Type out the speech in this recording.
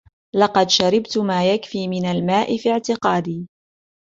لقد شربت ما يكفي من الماء، في اعتقادي.